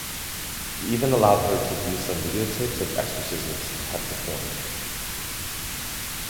He even allowed her to view some videotapes of exorcisms he had performed.